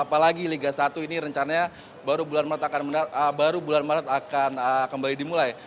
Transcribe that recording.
apalagi liga satu ini rencananya baru bulan maret akan kembali dimulai